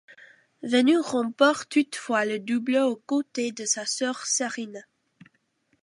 Venus remporte toutefois le double aux côtés de sa sœur Serena.